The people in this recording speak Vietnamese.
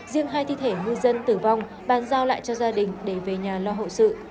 riêng hai thi thể ngư dân tử vong bàn giao lại cho gia đình để về nhà lo hậu sự